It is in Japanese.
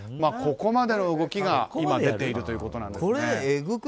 ここまでの動きが今、出ているということです。